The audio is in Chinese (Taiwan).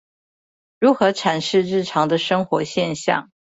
如何闡釋日常的生活現象